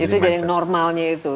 jadi normalnya itu